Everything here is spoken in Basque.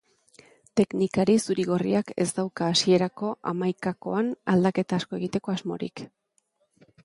Teknikari zuri-gorriak ez dauka hasierako hamaikakoan aldaketa asko egiteko asmorik.